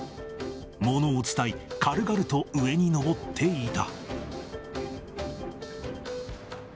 物を伝い、軽々と上に登っていた。